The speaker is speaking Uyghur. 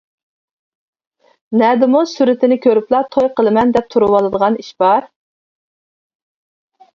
نەدىمۇ سۈرىتىنى كۆرۈپلا توي قىلىمەن دەپ تۇرۇۋالىدىغان ئىش بار.